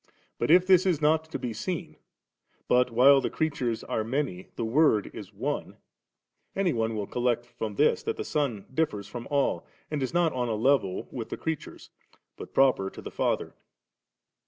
But if this is not to be seen, but while the creatures are many, the Word is one, any one will collect from this, that the Son differs from all, and is not on a level with the creatures, but proper to the Father.